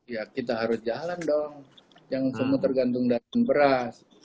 ya kita harus jalan dong jangan semua tergantung dengan beras